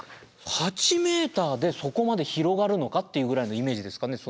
８ｍでそこまで広がるのかっていうぐらいのイメージですかね。